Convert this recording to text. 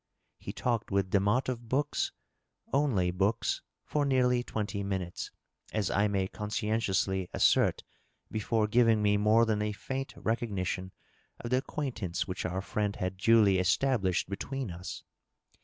He talked with Demotte of books, only books, for nearly twenty minutes, as I may conscientiously assert, before giving me more than a faint recog nition of the acquaintance which our friend had duly established between us.